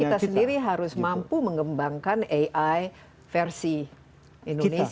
kita sendiri harus mampu mengembangkan ai versi indonesia